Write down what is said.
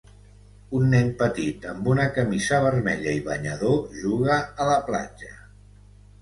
Un nen petit amb una camisa vermella i banyador juga a la platja.